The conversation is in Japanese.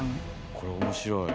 これ面白い。